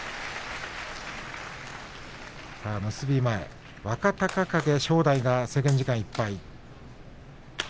結び前、若隆景、正代が制限時間いっぱいです。